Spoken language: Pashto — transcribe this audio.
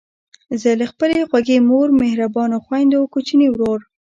زه له خپلې خوږې مور، مهربانو خویندو، کوچني ورور،